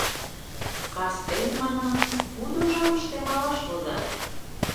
Кастен, манам, кудо жапыште малаш возат?